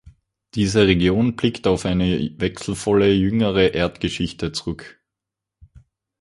Diese Region blickt auf eine wechselvolle jüngere Erdgeschichte zurück.